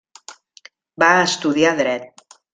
Va estudiar dret.